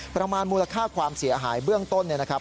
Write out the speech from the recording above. ประมาณมูลค่าความเสียหายเบื้องต้นเนี่ยนะครับ